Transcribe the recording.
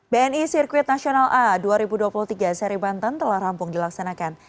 bni sirkuit nasional a dua ribu dua puluh tiga seri banten telah rampung dilaksanakan